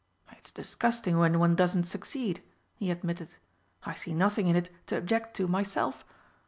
"It's disgusting when one doesn't succeed," he admitted; "I see nothing in it to object to myself.